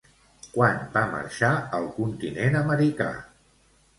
Quan va marxar al continent americà?